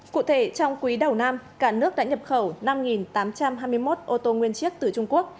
cụ thể trong quý đầu năm cả nước đã nhập khẩu năm tám trăm hai mươi một ô tô nguyên chiếc từ trung quốc